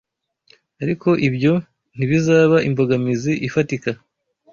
ariko ibyo ntibizaba imbogamizi ifatika